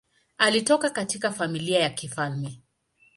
Alitoka katika familia ya kifalme.